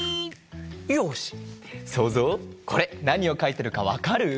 よしそうぞうこれなにをかいてるかわかる？